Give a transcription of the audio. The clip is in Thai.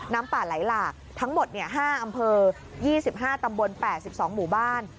น้ำป่าไหลหลากทั้งหมด๕อำเภอ๒๕ตำบล๘๒หมู่บ้าน